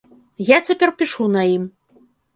Я цяпер пішу на ім.